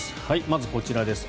まず、こちらです。